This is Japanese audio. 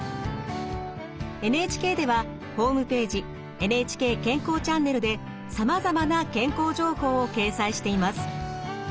ＮＨＫではホームページ「ＮＨＫ健康チャンネル」でさまざまな健康情報を掲載しています。